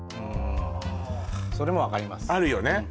うんそれも分かりますあるよね？